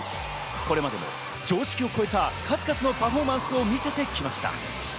これまでも常識を超えたさまざまなパフォーマンスを見せてきました。